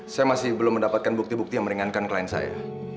saya masih belum mendapatkan bukti bukti yang meringankan klien saya